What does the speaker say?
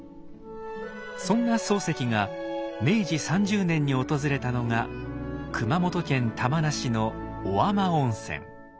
そんな漱石が明治３０年に訪れたのが熊本県玉名市の小天温泉。